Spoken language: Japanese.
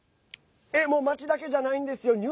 もう街だけじゃないんですよ。